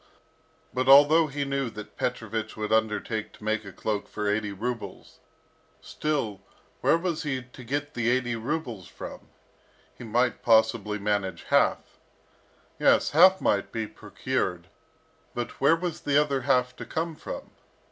But although he knew that Petrovich would undertake to make a cloak for eighty rubles, still, where was he to get the eighty rubles from? He might possibly manage half. Yes, half might be procured, but where was the other half to come from?